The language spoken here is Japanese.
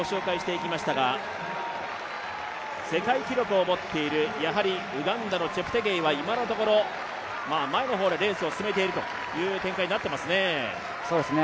世界記録を持っているウガンダのチェプテゲイは今のところ前の方でレースを進めているという展開になっていますね。